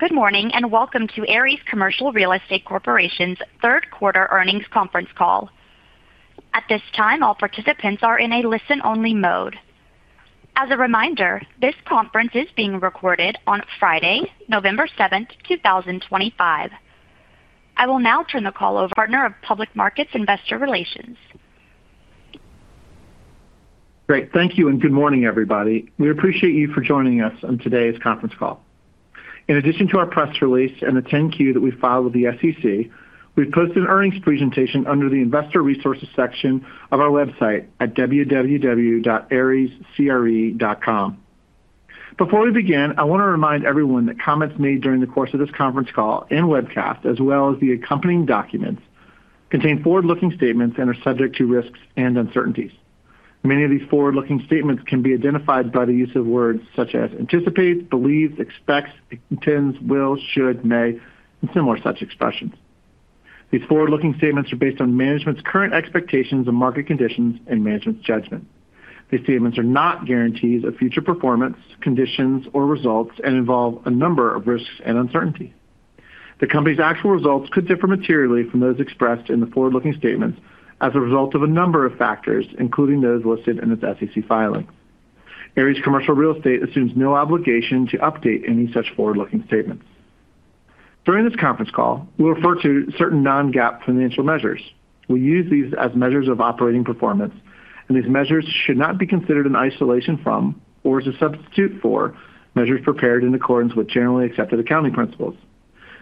Good morning and welcome to Ares Commercial Real Estate Corporation's third quarter earnings conference call. At this time, all participants are in a listen-only mode. As a reminder, this conference is being recorded on Friday, November 7, 2025. I will now turn the call over to our Partner of Public Markets Investor Relations. Great. Thank you and good morning, everybody. We appreciate you for joining us on today's conference call. In addition to our press release and the 10-Q that we filed with the SEC, we've posted an earnings presentation under the Investor Resources section of our website at www.arescre.com. Before we begin, I want to remind everyone that comments made during the course of this conference call and webcast, as well as the accompanying documents, contain forward-looking statements and are subject to risks and uncertainties. Many of these forward-looking statements can be identified by the use of words such as anticipates, believes, expects, intends, will, should, may, and similar such expressions. These forward-looking statements are based on management's current expectations of market conditions and management's judgment. These statements are not guarantees of future performance, conditions, or results and involve a number of risks and uncertainties. The company's actual results could differ materially from those expressed in the forward-looking statements as a result of a number of factors, including those listed in its SEC filing. Ares Commercial Real Estate assumes no obligation to update any such forward-looking statements. During this conference call, we'll refer to certain non-GAAP financial measures. We use these as measures of operating performance, and these measures should not be considered in isolation from or as a substitute for measures prepared in accordance with generally accepted accounting principles.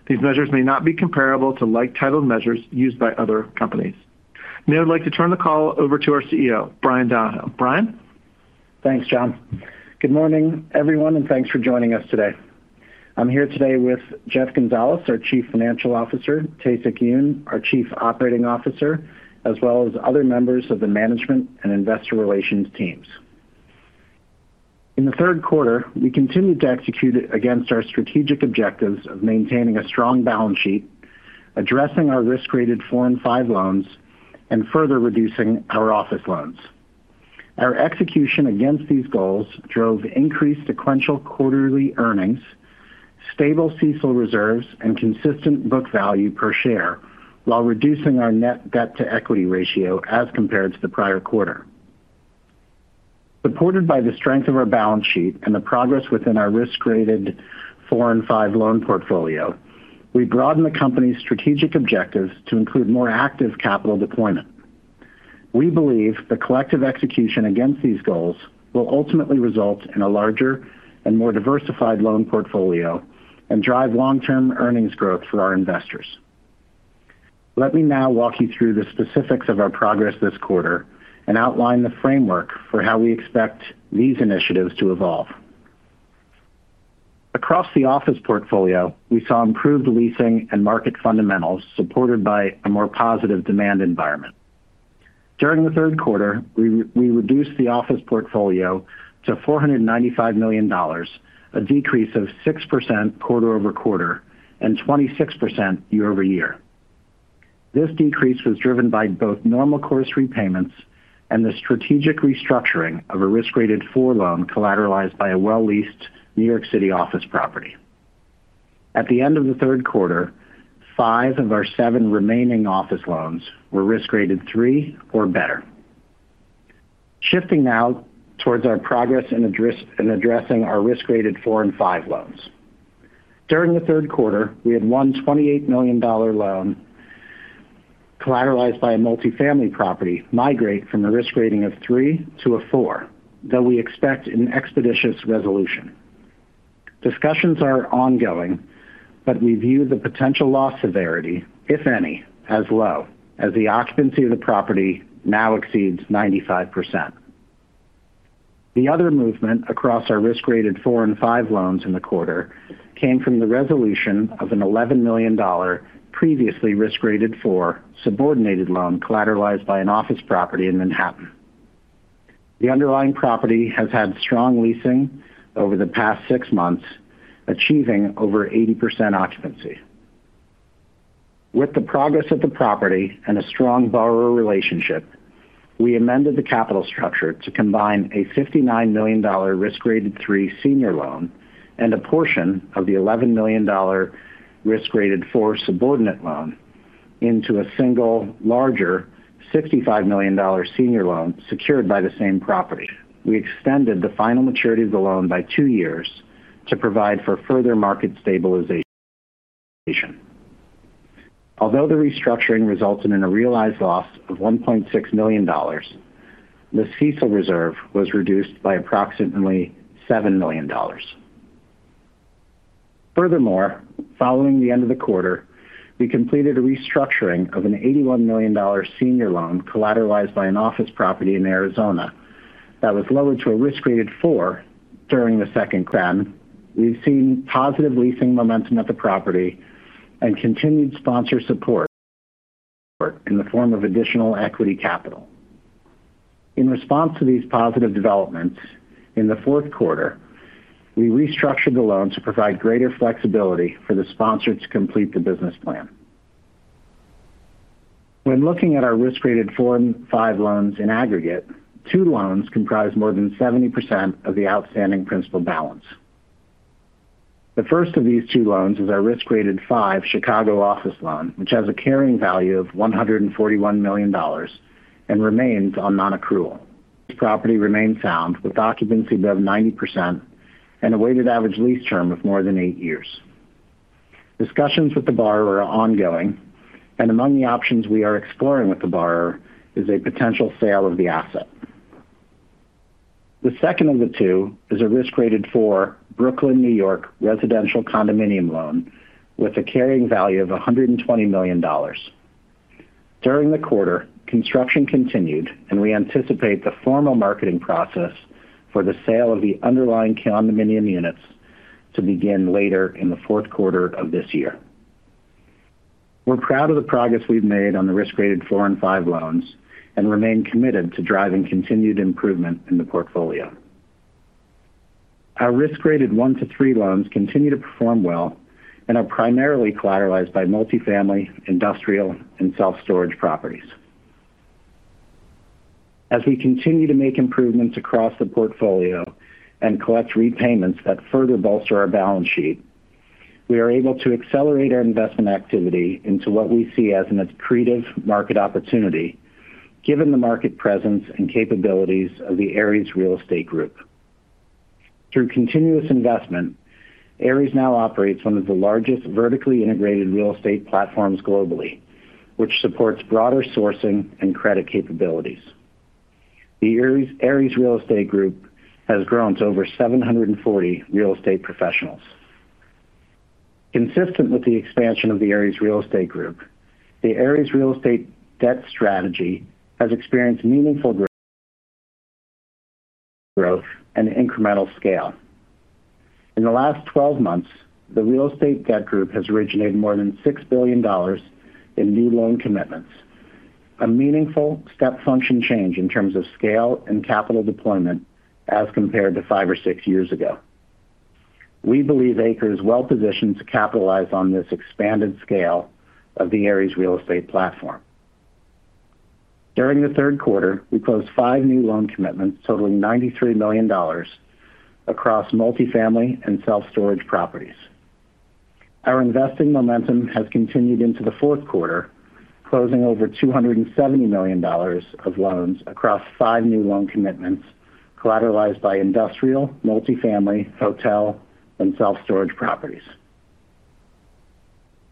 These measures may not be comparable to like-titled measures used by other companies. Now, I'd like to turn the call over to our CEO, Bryan Donohoe. Bryan? Thanks, John. Good morning, everyone, and thanks for joining us today. I'm here today with Jeff Gonzales, our Chief Financial Officer; Tae-Sik Yoon, our Chief Operating Officer, as well as other members of the Management and Investor Relations teams. In the third quarter, we continued to execute against our strategic objectives of maintaining a strong balance sheet, addressing our risk-rated 4 and 5 loans, and further reducing our office loans. Our execution against these goals drove increased sequential quarterly earnings, stable CECL reserves, and consistent book value per share, while reducing our net debt-to-equity ratio as compared to the prior quarter. Supported by the strength of our balance sheet and the progress within our risk-rated 4 and 5 loan portfolio, we broadened the company's strategic objectives to include more active capital deployment. We believe the collective execution against these goals will ultimately result in a larger and more diversified loan portfolio and drive long-term earnings growth for our investors. Let me now walk you through the specifics of our progress this quarter and outline the framework for how we expect these initiatives to evolve. Across the office portfolio, we saw improved leasing and market fundamentals supported by a more positive demand environment. During the third quarter, we reduced the office portfolio to $495 million, a decrease of 6% quarter-over-quarter and 26% year-over-year. This decrease was driven by both normal course repayments and the strategic restructuring of a risk-rated 4 loan collateralized by a well-leased New York City office property. At the end of the third quarter, five of our seven remaining office loans were risk-rated 3 or better. Shifting now towards our progress in addressing our risk-rated 4 and 5 loans. During the third quarter, we had one $28 million loan collateralized by a multifamily property migrate from a risk rating of 3 to a 4, though we expect an expeditious resolution. Discussions are ongoing, but we view the potential loss severity, if any, as low, as the occupancy of the property now exceeds 95%. The other movement across our risk-rated 4 and 5 loans in the quarter came from the resolution of an $11 million previously risk-rated 4 subordinated loan collateralized by an office property in Manhattan. The underlying property has had strong leasing over the past six months, achieving over 80% occupancy. With the progress of the property and a strong borrower relationship, we amended the capital structure to combine a $59 million risk-rated 3 senior loan and a portion of the $11 million risk-rated 4 subordinate loan into a single larger $65 million senior loan secured by the same property. We extended the final maturity of the loan by two years to provide for further market stabilization. Although the restructuring resulted in a realized loss of $1.6 million, the CECL reserve was reduced by approximately $7 million. Furthermore, following the end of the quarter, we completed a restructuring of an $81 million senior loan collateralized by an office property in Arizona that was lowered to a risk-rated 4 during the second term. We have seen positive leasing momentum at the property and continued sponsor support in the form of additional equity capital. In response to these positive developments, in the fourth quarter, we restructured the loan to provide greater flexibility for the sponsor to complete the business plan. When looking at our risk-rated 4 and 5 loans in aggregate, two loans comprise more than 70% of the outstanding principal balance. The first of these two loans is our risk-rated 5 Chicago office loan, which has a carrying value of $141 million and remains on non-accrual. This property remains sound with occupancy above 90% and a weighted average lease term of more than eight years. Discussions with the borrower are ongoing, and among the options we are exploring with the borrower is a potential sale of the asset. The second of the two is a risk-rated 4 Brooklyn, New York residential condominium loan with a carrying value of $120 million. During the quarter, construction continued, and we anticipate the formal marketing process for the sale of the underlying condominium units to begin later in the fourth quarter of this year. We're proud of the progress we've made on the risk-rated 4 and 5 loans and remain committed to driving continued improvement in the portfolio. Our risk-rated 1 to 3 loans continue to perform well and are primarily collateralized by multifamily, industrial, and self-storage properties. As we continue to make improvements across the portfolio and collect repayments that further bolster our balance sheet, we are able to accelerate our investment activity into what we see as an accretive market opportunity, given the market presence and capabilities of the Ares Real Estate Group. Through continuous investment, Ares now operates one of the largest vertically integrated real estate platforms globally, which supports broader sourcing and credit capabilities. The Ares Real Estate Group has grown to over 740 real estate professionals. Consistent with the expansion of the Ares Real Estate Group, the Ares Real Estate debt strategy has experienced meaningful growth and incremental scale. In the last 12 months, the Real Estate Debt Group has originated more than $6 billion in new loan commitments, a meaningful step function change in terms of scale and capital deployment as compared to five or six years ago. We believe ACRE is well-positioned to capitalize on this expanded scale of the Ares Real Estate platform. During the third quarter, we closed five new loan commitments totaling $93 million across multifamily and self-storage properties. Our investing momentum has continued into the fourth quarter, closing over $270 million of loans across five new loan commitments collateralized by industrial, multifamily, hotel, and self-storage properties.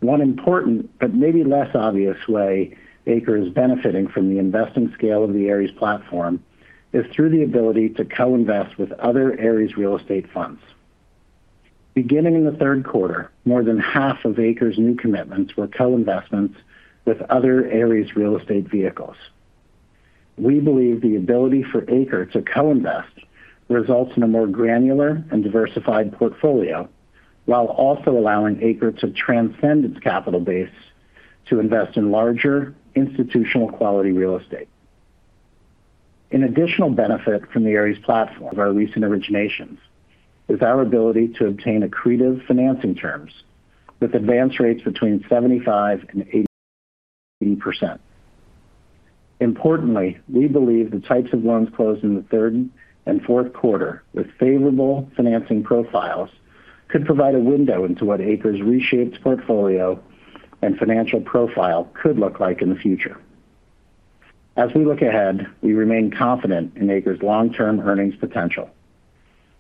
One important, but maybe less obvious way ACRE is benefiting from the investing scale of the Ares platform is through the ability to co-invest with other Ares Real Estate funds. Beginning in the third quarter, more than half of ACRE's new commitments were co-investments with other Ares Real Estate vehicles. We believe the ability for ACRE to co-invest results in a more granular and diversified portfolio, while also allowing ACRE to transcend its capital base to invest in larger, institutional-quality real estate. An additional benefit from the Ares platform of our recent originations is our ability to obtain accretive financing terms with advance rates between 75% and 80%. Importantly, we believe the types of loans closed in the third and fourth quarter with favorable financing profiles could provide a window into what ACRE's reshaped portfolio and financial profile could look like in the future. As we look ahead, we remain confident in ACRE's long-term earnings potential.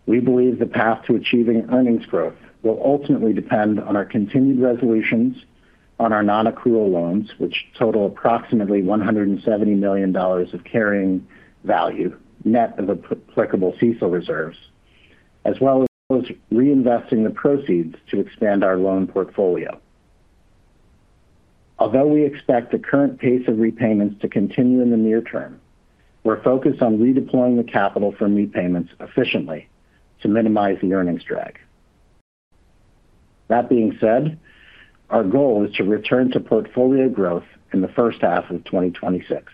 We believe the path to achieving earnings growth will ultimately depend on our continued resolutions on our non-accrual loans, which total approximately $170 million of carrying value net of applicable CECL reserves, as well as reinvesting the proceeds to expand our loan portfolio. Although we expect the current pace of repayments to continue in the near-term, we're focused on redeploying the capital for repayments efficiently to minimize the earnings drag. That being said, our goal is to return to portfolio growth in the first half of 2026.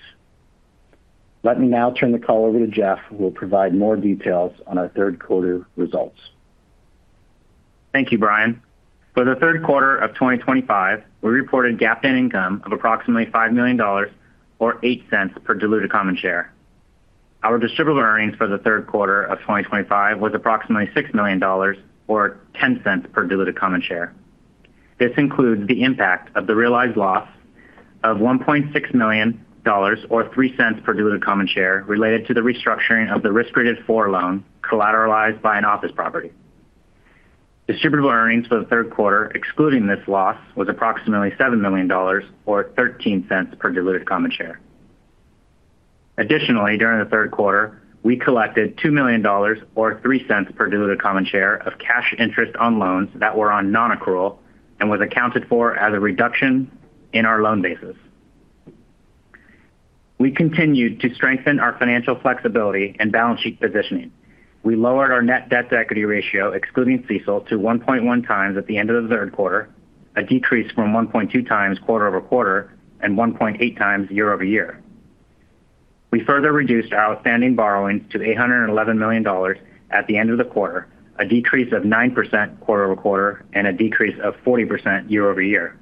Let me now turn the call over to Jeff, who will provide more details on our third quarter results. Thank you, Bryan. For the third quarter of 2025, we reported GAAP net income of approximately $5 million or $0.08 per diluted common share. Our distributable earnings for the third quarter of 2025 was approximately $6 million or $0.10 per diluted common share. This includes the impact of the realized loss of $1.6 million or $0.03 per diluted common share related to the restructuring of the risk-rated 4 loan collateralized by an office property. Distributable earnings for the third quarter, excluding this loss, was approximately $7 million or $0.13 per diluted common share. Additionally, during the third quarter, we collected $2 million or $0.03 per diluted common share of cash interest on loans that were on non-accrual and was accounted for as a reduction in our loan basis. We continued to strengthen our financial flexibility and balance sheet positioning. We lowered our net debt-to-equity ratio, excluding CECL, to 1.1x at the end of the third quarter, a decrease from 1.2x quarter-over-quarter and 1.8x year-over-year. We further reduced our outstanding borrowings to $811 million at the end of the quarter, a decrease of 9% quarter-over-quarter, and a decrease of 40% year-over-year.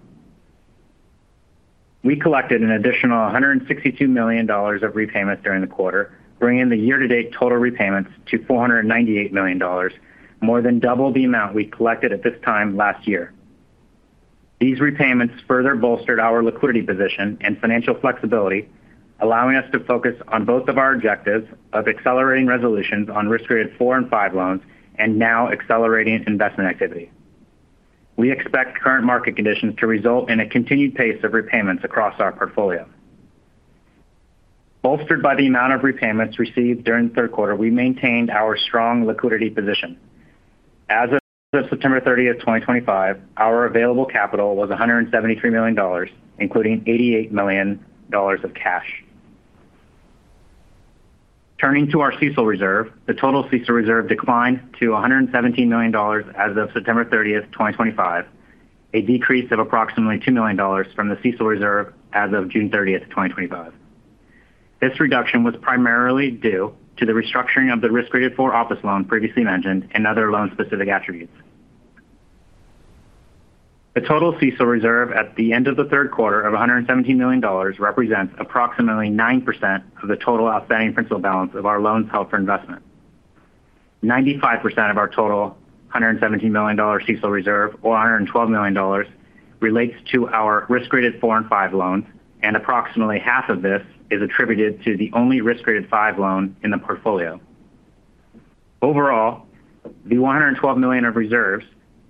We collected an additional $162 million of repayments during the quarter, bringing the year-to-date total repayments to $498 million, more than double the amount we collected at this time last year. These repayments further bolstered our liquidity position and financial flexibility, allowing us to focus on both of our objectives of accelerating resolutions on risk-rated 4 and 5 loans and now accelerating investment activity. We expect current market conditions to result in a continued pace of repayments across our portfolio. Bolstered by the amount of repayments received during the third quarter, we maintained our strong liquidity position. As of September 30, 2025, our available capital was $173 million, including $88 million of cash. Turning to our CECL reserve, the total CECL reserve declined to $117 million as of September 30, 2025, a decrease of approximately $2 million from the CECL reserve as of June 30, 2025. This reduction was primarily due to the restructuring of the risk-rated 4 office loan previously mentioned and other loan-specific attributes. The total CECL reserve at the end of the third quarter of $117 million represents approximately 9% of the total outstanding principal balance of our loans held for investment. 95% of our total $117 million CECL reserve, or $112 million, relates to our risk-rated 4 and 5 loans, and approximately half of this is attributed to the only risk-rated 5 loan in the portfolio. Overall, the $112 million of reserves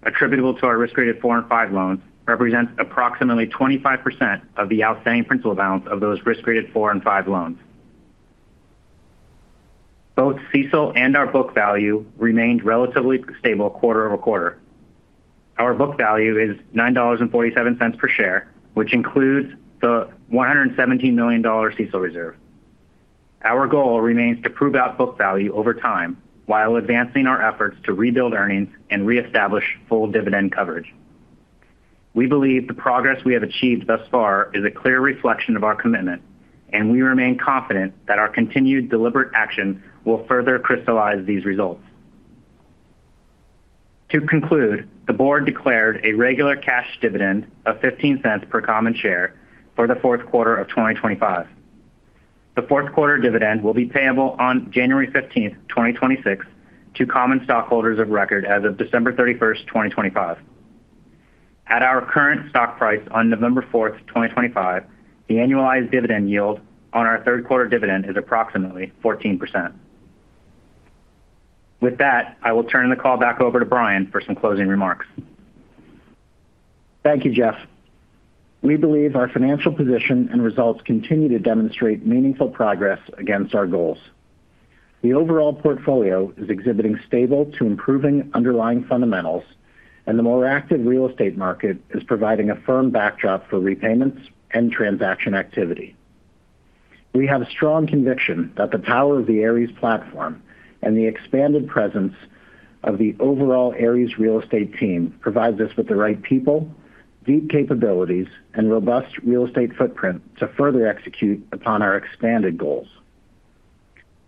attributable to our risk-rated 4 and 5 loans represents approximately 25% of the outstanding principal balance of those risk-rated 4 and 5 loans. Both CECL and our book value remained relatively stable quarter-over-quarter. Our book value is $9.47 per share, which includes the $117 million CECL reserve. Our goal remains to prove out book value over time while advancing our efforts to rebuild earnings and reestablish full dividend coverage. We believe the progress we have achieved thus far is a clear reflection of our commitment, and we remain confident that our continued deliberate action will further crystallize these results. To conclude, the Board declared a regular cash dividend of $0.15 per common share for the fourth quarter of 2025. The fourth quarter dividend will be payable on January 15, 2026, to common stockholders of record as of December 31, 2025. At our current stock price on November 4, 2025, the annualized dividend yield on our third quarter dividend is approximately 14%. With that, I will turn the call back over to Bryan for some closing remarks. Thank you, Jeff. We believe our financial position and results continue to demonstrate meaningful progress against our goals. The overall portfolio is exhibiting stable to improving underlying fundamentals, and the more active real estate market is providing a firm backdrop for repayments and transaction activity. We have a strong conviction that the power of the Ares platform and the expanded presence of the overall Ares Real Estate team provides us with the right people, deep capabilities, and robust real estate footprint to further execute upon our expanded goals.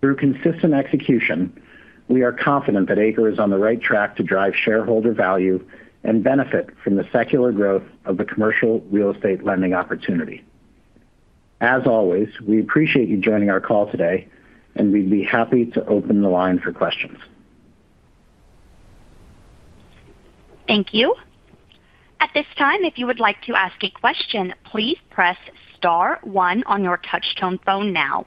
Through consistent execution, we are confident that ACRE is on the right track to drive shareholder value and benefit from the secular growth of the commercial real estate lending opportunity. As always, we appreciate you joining our call today, and we'd be happy to open the line for questions. Thank you. At this time, if you would like to ask a question, please press star one on your touch-tone phone now.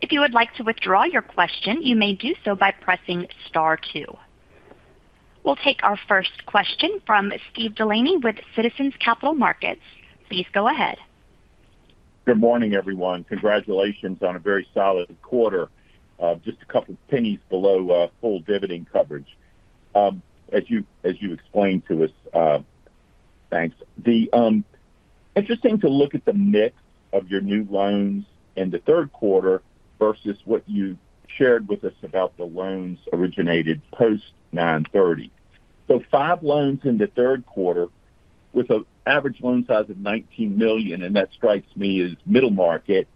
If you would like to withdraw your question, you may do so by pressing star two. We'll take our first question from Steve Delaney with Citizens Capital Markets. Please go ahead. Good morning, everyone. Congratulations on a very solid quarter, just a couple of pennies below full dividend coverage. As you explained to us, thanks. Interesting to look at the mix of your new loans in the third quarter versus what you shared with us about the loans originated post-September 30. So, five loans in the third quarter with an average loan size of $19 million, and that strikes me as middle market.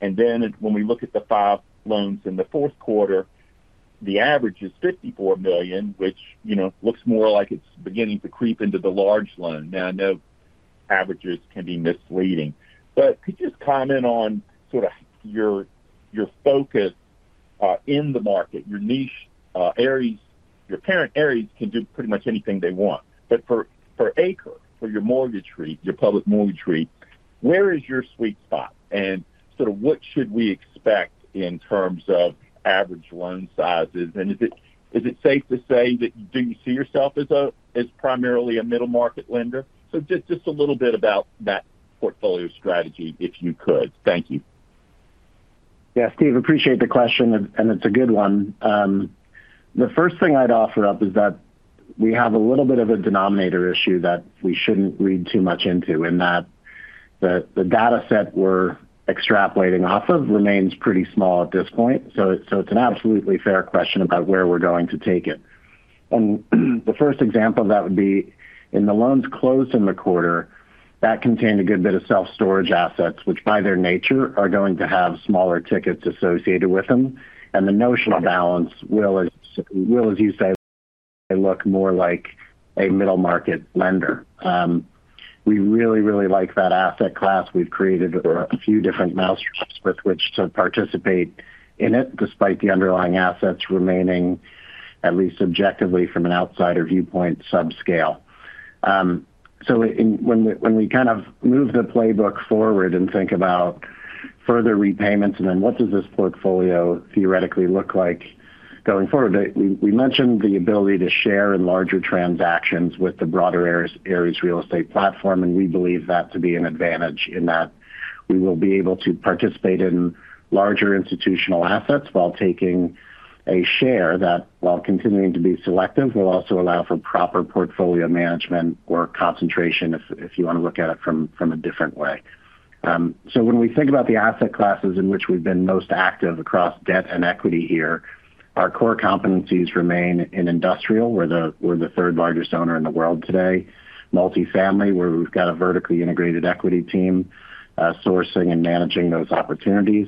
And then when we look at the five loans in the fourth quarter, the average is $54 million, which looks more like it's beginning to creep into the large loan. Now, I know averages can be misleading, but could you just comment on sort of your focus in the market, your niche? Your parent Ares can do pretty much anything they want. For ACRE, for your mortgage REIT, your public mortgage REIT, where is your sweet spot? What should we expect in terms of average loan sizes? Is it safe to say that you see yourself as primarily a middle market lender? Just a little bit about that portfolio strategy, if you could. Thank you. Yeah, Steve, appreciate the question, and it's a good one. The first thing I'd offer up is that we have a little bit of a denominator issue that we shouldn't read too much into in that the data set we're extrapolating off of remains pretty small at this point. It's an absolutely fair question about where we're going to take it. The first example of that would be in the loans closed in the quarter that contained a good bit of self-storage assets, which by their nature are going to have smaller tickets associated with them. The notional balance will, as you say, look more like a middle market lender. We really, really like that asset class. We've created a few different mouse traps with which to participate in it, despite the underlying assets remaining, at least objectively from an outsider viewpoint, subscale. When we kind of move the playbook forward and think about further repayments and then what does this portfolio theoretically look like going forward, we mentioned the ability to share in larger transactions with the broader Ares Real Estate platform, and we believe that to be an advantage in that we will be able to participate in larger institutional assets while taking a share that, while continuing to be selective, will also allow for proper portfolio management or concentration, if you want to look at it from a different way. When we think about the asset classes in which we've been most active across debt and equity here, our core competencies remain in industrial, where we're the third largest owner in the world today, multifamily, where we've got a vertically integrated equity team sourcing and managing those opportunities,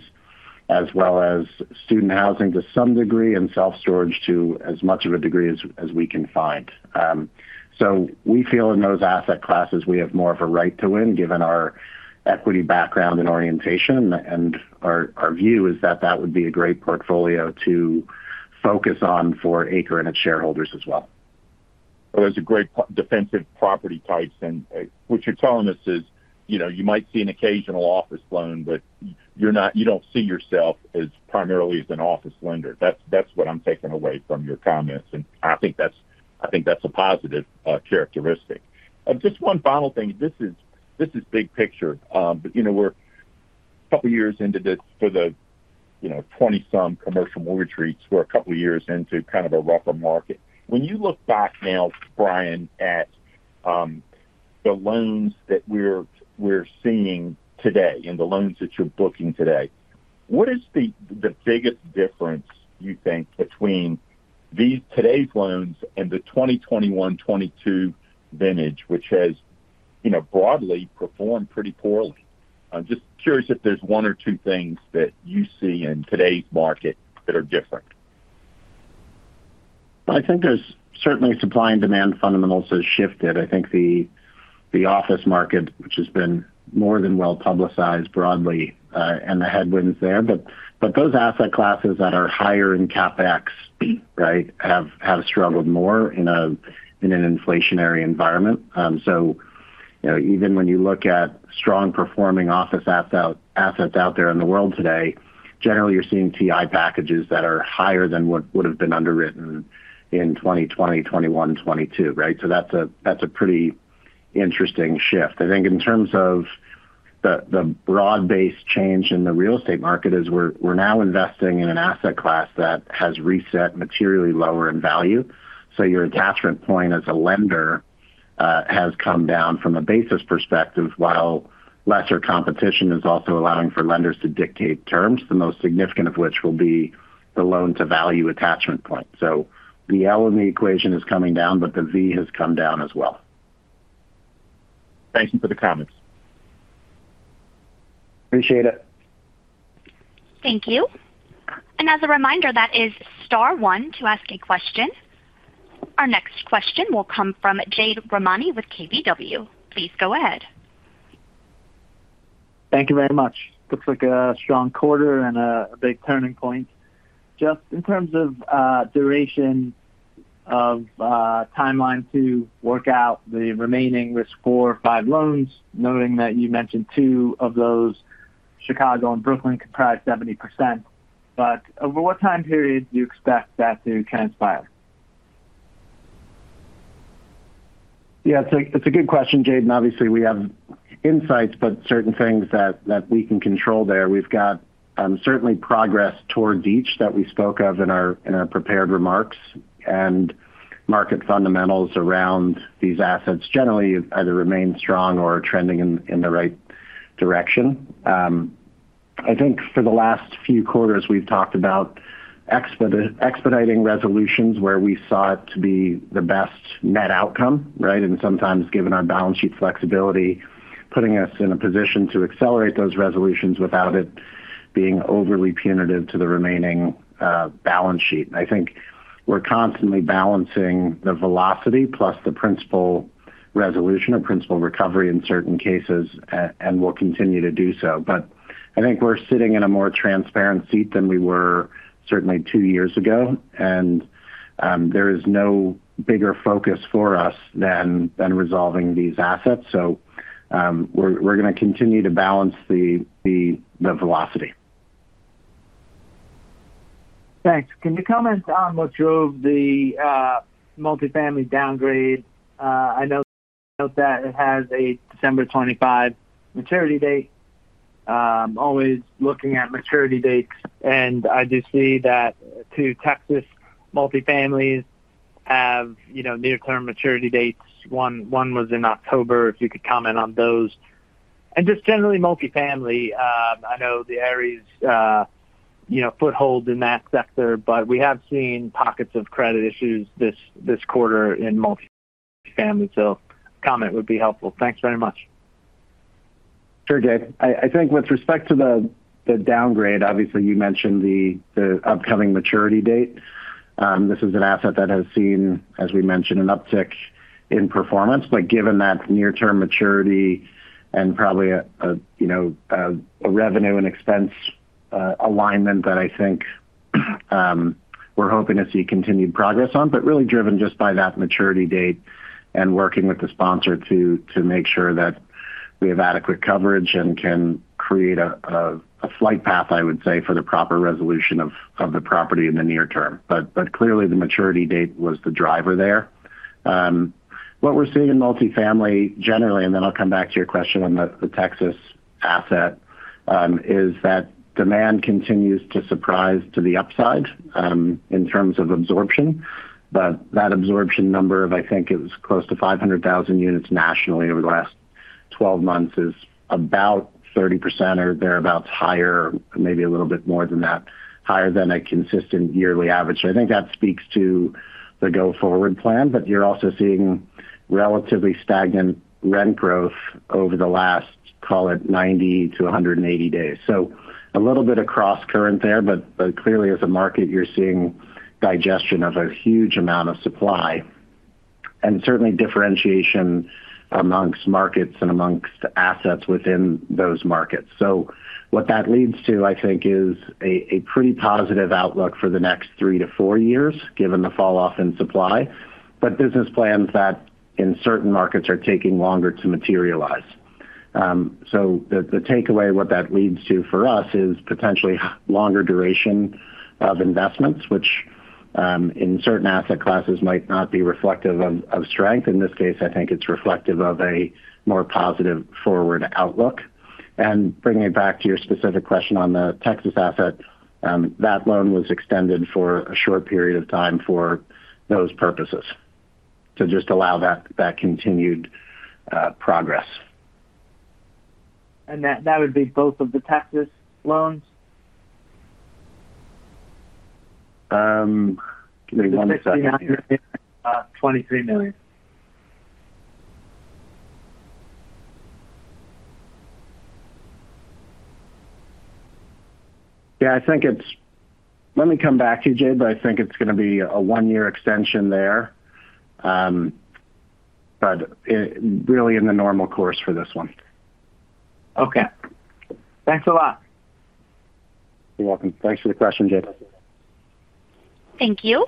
as well as student housing to some degree and self-storage to as much of a degree as we can find. We feel in those asset classes we have more of a right to win given our equity background and orientation, and our view is that that would be a great portfolio to focus on for ACRE and its shareholders as well. There's a great defensive property types, and what you're telling us is you might see an occasional office loan, but you don't see yourself primarily as an office lender. That's what I'm taking away from your comments, and I think that's a positive characteristic. Just one final thing. This is big picture. We're a couple of years into this for the 20-some commercial mortgage rates. We're a couple of years into kind of a rougher market. When you look back now, Bryan, at the loans that we're seeing today and the loans that you're booking today, what is the biggest difference, you think, between today's loans and the 2021-2022 vintage, which has broadly performed pretty poorly? I'm just curious if there's one or two things that you see in today's market that are different. I think there's certainly supply and demand fundamentals that have shifted. I think the office market, which has been more than well-publicized broadly, and the headwinds there. But those asset classes that are higher in CapEx, right, have struggled more in an inflationary environment. So, even when you look at strong-performing office assets out there in the world today, generally you're seeing TI packages that are higher than what would have been underwritten in 2020, 2021, 2022, right? That's a pretty interesting shift. I think in terms of the broad-based change in the real estate market is we're now investing in an asset class that has reset materially lower in value. Your attachment point as a lender has come down from a basis perspective, while lesser competition is also allowing for lenders to dictate terms, the most significant of which will be the loan-to-value attachment point. The L in the equation is coming down, but the V has come down as well. Thank you for the comments. Appreciate it. Thank you. As a reminder, that is star one to ask a question. Our next question will come from Jade Rahmani with KBW. Please go ahead. Thank you very much. Looks like a strong quarter and a big turning point. Just in terms of duration of timeline to work out the remaining risk 4 or 5 loans, noting that you mentioned two of those, Chicago and Brooklyn, comprise 70%. Over what time period do you expect that to transpire? Yeah, it's a good question, Jade. Obviously, we have insights, but certain things that we can control there. We've got certainly progress towards each that we spoke of in our prepared remarks, and market fundamentals around these assets generally either remain strong or are trending in the right direction. I think for the last few quarters, we've talked about expediting resolutions where we saw it to be the best net outcome, right? Sometimes, given our balance sheet flexibility, putting us in a position to accelerate those resolutions without it being overly punitive to the remaining balance sheet. I think we're constantly balancing the velocity plus the principal resolution or principal recovery in certain cases, and we'll continue to do so. I think we're sitting in a more transparent seat than we were certainly two years ago, and there is no bigger focus for us than resolving these assets. We're going to continue to balance the velocity. Thanks. Can you comment on what drove the multifamily downgrade? I know that it has a December 25 maturity date. Always looking at maturity dates, and I do see that two Texas multifamilies have near-term maturity dates. One was in October. If you could comment on those. And just generally multifamily, I know the Ares foothold in that sector, but we have seen pockets of credit issues this quarter in multifamily. So, a comment would be helpful. Thanks very much. Sure, Jade. I think with respect to the downgrade, obviously, you mentioned the upcoming maturity date. This is an asset that has seen, as we mentioned, an uptick in performance. Given that near-term maturity and probably a revenue and expense alignment that I think we're hoping to see continued progress on, really driven just by that maturity date and working with the sponsor to make sure that we have adequate coverage and can create a flight path, I would say, for the proper resolution of the property in the near-term. Clearly, the maturity date was the driver there. What we're seeing in multifamily generally, and then I'll come back to your question on the Texas asset, is that demand continues to surprise to the upside in terms of absorption. That absorption number of, I think, it was close to 500,000 units nationally over the last 12 months is about 30% or thereabouts higher, maybe a little bit more than that, higher than a consistent yearly average. I think that speaks to the go-forward plan, but you're also seeing relatively stagnant rent growth over the last, call it, 90-180 days. A little bit of cross-current there, but clearly, as a market, you're seeing digestion of a huge amount of supply and certainly differentiation amongst markets and amongst assets within those markets. What that leads to, I think, is a pretty positive outlook for the next three to four years, given the falloff in supply, but business plans that in certain markets are taking longer to materialize. The takeaway, what that leads to for us is potentially longer duration of investments, which in certain asset classes might not be reflective of strength. In this case, I think it is reflective of a more positive forward outlook. Bringing it back to your specific question on the Texas asset, that loan was extended for a short period of time for those purposes to just allow that continued progress. That would be both of the Texas loans? Give me one second. $23 million. Yeah, I think it's—let me come back to you, Jade, but I think it's going to be a one-year extension there, but really in the normal course for this one. Okay. Thanks a lot. You're welcome. Thanks for the question, Jade. Thank you.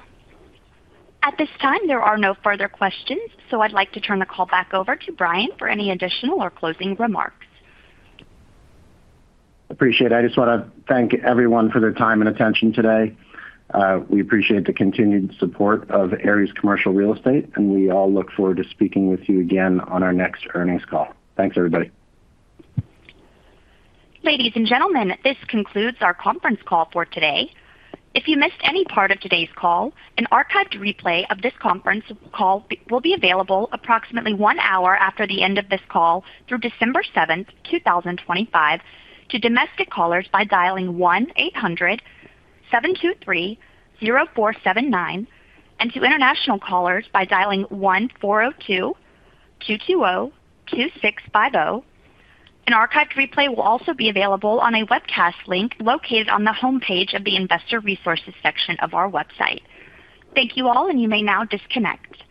At this time, there are no further questions, so I'd like to turn the call back over to Bryan for any additional or closing remarks. Appreciate it. I just want to thank everyone for their time and attention today. We appreciate the continued support of Ares Commercial Real Estate, and we all look forward to speaking with you again on our next earnings call. Thanks, everybody. Ladies and gentlemen, this concludes our conference call for today. If you missed any part of today's call, an archived replay of this conference call will be available approximately one hour after the end of this call through December 7, 2025, to domestic callers by dialing 1-800-723-0479 and to international callers by dialing 1-402-220-2650. An archived replay will also be available on a webcast link located on the homepage of the Investor Resources section of our website. Thank you all, and you may now disconnect.